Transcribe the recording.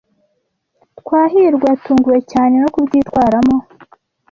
Twahirwa yatunguwe cyane no kubyitwaramo.